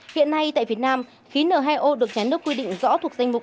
hiện nay tại việt nam khí n hai o được nhắn được quy định rõ thuộc danh mục